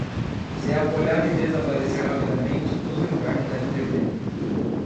Se a folhagem desaparecer rapidamente, todo inverno deve ter medo.